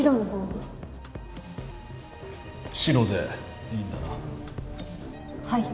はい。